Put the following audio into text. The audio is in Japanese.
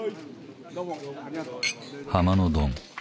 ハマのドン。